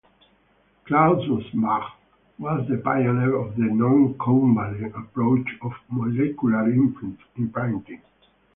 Klaus Mosbach was the pioneer of the Noncovalent approach of Molecular Imprinting.